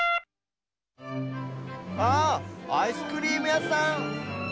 ああアイスクリームやさん。